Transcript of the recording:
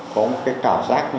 có một cái cảm giác